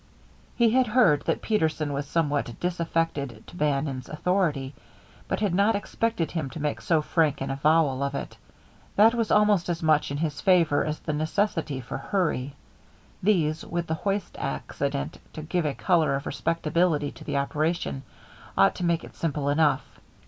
He had heard that Peterson was somewhat disaffected to Bannon's authority, but had not expected him to make so frank an avowal of it. That was almost as much in his favor as the necessity for hurry. These, with the hoist accident to give a color of respectability to the operation, ought to make it simple enough.